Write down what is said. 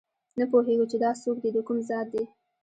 نه پوهېږو چې دا څوک دي دکوم ذات دي